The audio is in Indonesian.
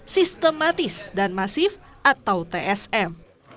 sistematis dan masif atau tsm